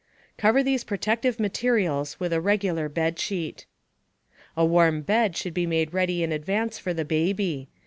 Cover these protective materials with a regular bedsheet. A warm bed should be made ready in advance for the baby.